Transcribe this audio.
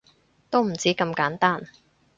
都唔止咁簡單